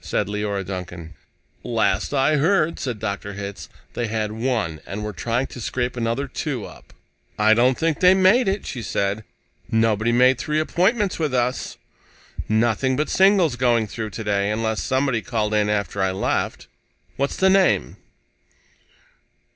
said Leora Duncan. "Last I heard," said Dr. Hitz, "they had one, and were trying to scrape another two up." "I don't think they made it," she said. "Nobody made three appointments with us. Nothing but singles going through today, unless somebody called in after I left. What's the name?"